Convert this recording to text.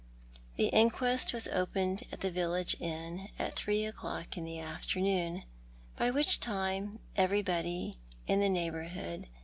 The inquest was opened at the village inn at three o'clock in the afternoon, by which time everybody in the neighbourhood 122 TJioiL art the Man.